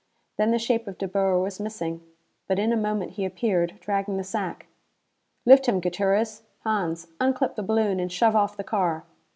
Then the shape of De Boer was missing! But in a moment he appeared, dragging the sack. "Lift him, Gutierrez. Hans, unclip the balloon and shove off the car!"